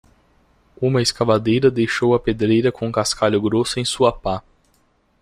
Uma escavadeira deixou a pedreira com cascalho grosso em sua pá.